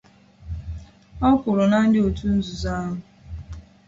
O kwuru na ndị otu nzuzo ahụ